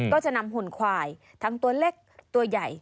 ก็จะนำหุ่นควายทั้งตัวเล็กตัวใหญ่